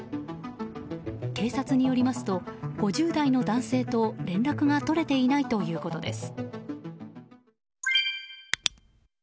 警察によりますと５０代の男性と連絡が取れていないということです。